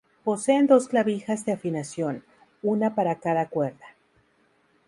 Poseen dos clavijas de afinación, una para cada cuerda.